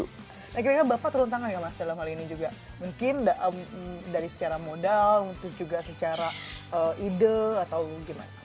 kira kira bapak turun tangan gak mas dalam hal ini juga mungkin dari secara modal untuk juga secara ide atau gimana